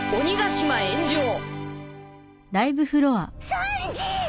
サンジ！